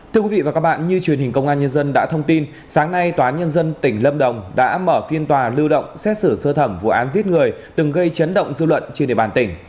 thưa quý vị và các bạn như truyền hình công an nhân dân đã thông tin sáng nay tòa nhân dân tỉnh lâm đồng đã mở phiên tòa lưu động xét xử sơ thẩm vụ án giết người từng gây chấn động dư luận trên địa bàn tỉnh